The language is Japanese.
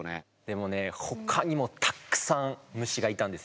でもねほかにもたくさん虫がいたんですよ。